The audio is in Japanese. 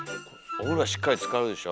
お風呂しっかりつかるでしょ？